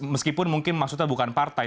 meskipun mungkin maksudnya bukan partai